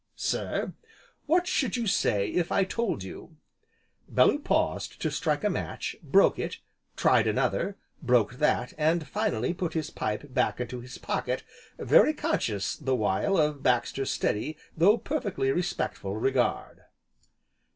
"Sir?" "What should you say if I told you " Bellew paused to strike a match, broke it, tried another, broke that, and finally put his pipe back into his pocket, very conscious the while of Baxter's steady, though perfectly respectful regard.